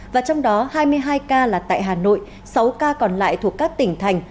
và trong đó hai mươi hai ca là tại hà nội sáu ca còn lại thuộc các tỉnh thành